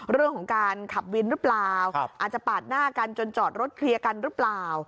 เรื่องของการขับวินหรือเปล่าอาจจะปาดหน้ากันจนจอดรถเคลียร์กันหรือเปล่า